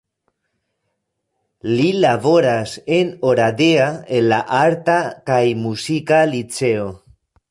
Li laboras en Oradea en la Arta kaj Muzika Liceo.